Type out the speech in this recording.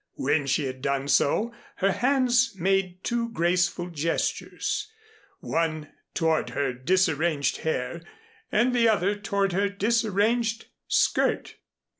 When she had done so, her hands made two graceful gestures one toward her disarranged hair and the other toward her disarranged skirt.